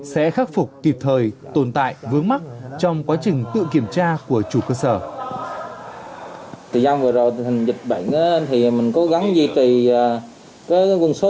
sẽ khắc phục kịp thời tồn tại vướng mắc trong quá trình tự kiểm tra của chủ cơ sở